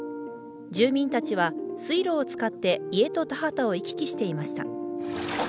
住民たちは水路を使って家と田畑を行き来していました。